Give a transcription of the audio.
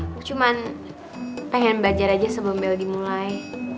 aku cuma pengen belajar aja sebelum bel dimulai